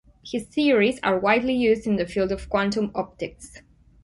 His theories are widely used in the field of quantum optics.